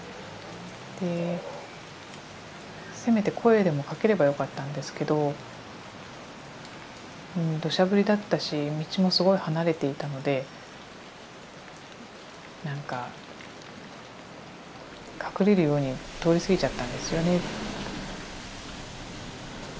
でせめて声でもかければよかったんですけど土砂降りだったし道もすごい離れていたのでなんか隠れるように通り過ぎちゃったんですよね。